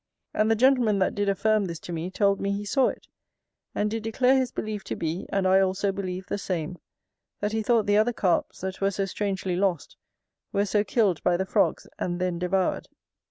And the gentleman that did affirm this to me, told me he saw it; and did declare his belief to be, and I also believe the same, that he thought the other Carps, that were so strangely lost, were so killed by the frogs, and then devoured.